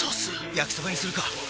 焼きそばにするか！